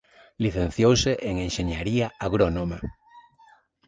Licenciouse en Enxeñaría agrónoma.